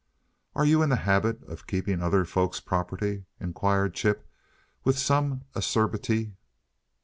"Are you in the habit of keeping other folk's property?" inquired Chip, with some acerbity.